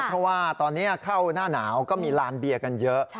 เพราะว่าตอนนี้เข้าหน้าหนาวก็มีลานเบียร์กันเยอะ